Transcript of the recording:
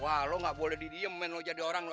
wah lo gak boleh didiem main lo jadi orang lo ya